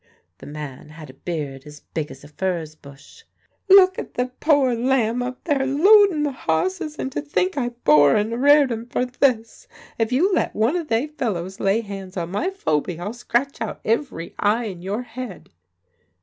(The man had a beard as big as a furze bush.) "Look at the poor lamb up there loadin' the hosses, and to think I bore and reared en for this! If you let one of they fellows lay hands on my Phoby I'll scratch out ivery eye in your head